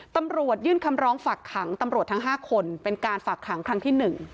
ตำรวจยื่นคำร้องฝากขังตำรวจทั้ง๕คนเป็นการฝากขังครั้งที่๑